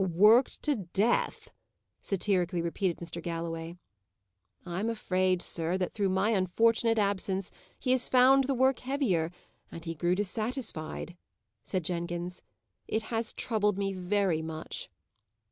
"Worked to death!" satirically repeated Mr. Galloway. "I'm afraid, sir, that, through my unfortunate absence, he has found the work heavier, and he grew dissatisfied," said Jenkins. "It has troubled me very much."